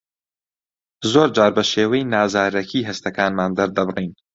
زۆرجار بە شێوەی نازارەکی هەستەکانمان دەردەبڕین.